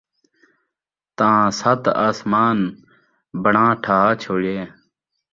تاں ست اَسمان بݨا ٹھہا چھوڑیے،